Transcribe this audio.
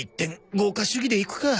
豪華主義でいくか。